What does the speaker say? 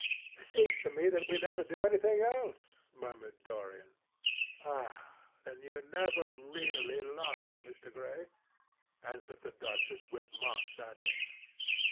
"It seems to me that we never do anything else," murmured Dorian. "Ah! then, you never really love, Mr. Gray," answered the duchess with mock sadness.